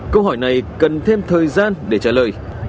câu hỏi này cần thêm thời gian để trả lời